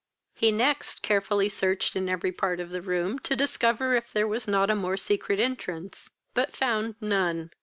He next carefully searched in every part of the room, to discover if there was not a more secret entrance, but found none.